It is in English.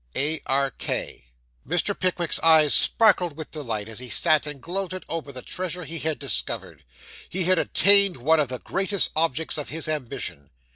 ARK Mr. Pickwick's eyes sparkled with delight, as he sat and gloated over the treasure he had discovered. He had attained one of the greatest objects of his ambition.